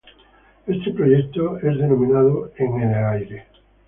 Este proyecto es denominado "In the Air".